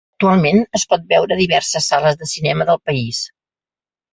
Actualment, es pot veure a diverses sales de cinema del país.